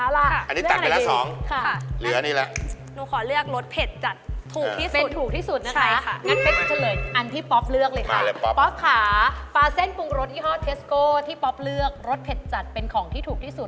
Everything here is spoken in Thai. และรสเข้มข้นที่ป๊อปไม่ได้เลือก